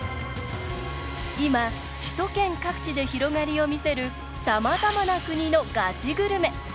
今、首都圏各地で広がりを見せるさまざまな国のガチグルメ。